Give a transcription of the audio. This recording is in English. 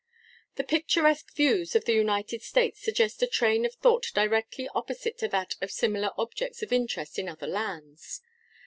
The picturesque views of the United States suggest a train of thought directly opposite to that of similar objects of interest in other lands.